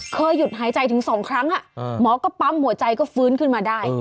หยุดหายใจถึง๒ครั้งหมอก็ปั๊มหัวใจก็ฟื้นขึ้นมาได้